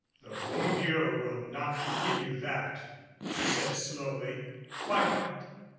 "The bon Dieu will not forgive you that," he said slowly. "Why not?"